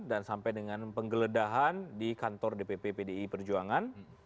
dan sampai dengan penggeledahan di kantor dpp pdi perjuangan